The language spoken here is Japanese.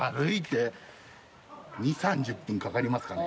２０３０分かかりますかね。